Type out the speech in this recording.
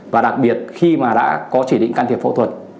và đặc biệt khi mà đã có chỉ định can thiệp phẫu thuật